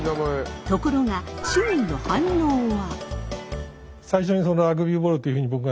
ところが周囲の反応は。